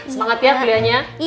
semangat ya belianya iya